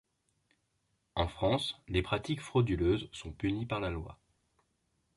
En France, les pratiques frauduleuses sont punies par la loi.